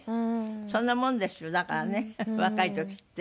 そんなもんですよだからね若い時って。